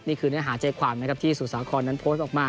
เนื้อหาใจความนะครับที่สุสาครนั้นโพสต์ออกมา